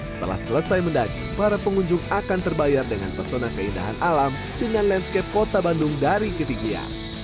setelah selesai mendaki para pengunjung akan terbayar dengan pesona keindahan alam dengan landscape kota bandung dari ketinggian